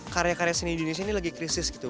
karya karya seni indonesia ini lagi krisis gitu